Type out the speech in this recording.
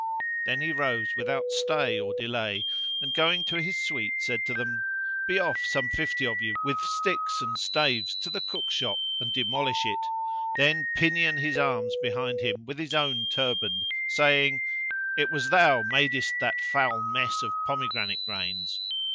Then he rose without stay or delay and, going to his suite said to them, "Be off, some fifty of you with sticks and staves to the Cook's shop and demolish it; then pinion his arms behind him with his own turband, saying, 'It was thou madest that foul mess of pomegranate grains!'